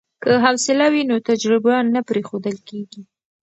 که حوصله وي نو تجربه نه پریښودل کیږي.